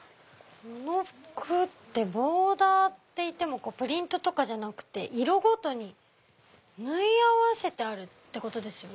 この服ってボーダーっていってもプリントとかじゃなくて色ごとに縫い合わせてあるってことですよね。